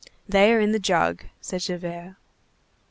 "They are in the jug," said Javert.